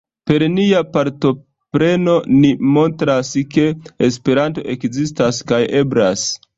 Per nia partopreno, ni montras ke Esperanto ekzistas kaj eblas.